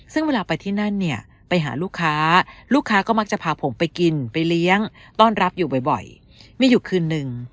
ซึ่งเวลาไปที่นั่นเนี่ยไปหาลูกค้าลูกค้าก็มักจะพาผมไปกินไปเลี้ยงต้อนรับอยู่บ่อยมีอยู่คืนนึง